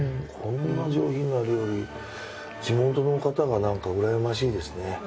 こんな上品な料理地元の方がなんかうらやましいですね。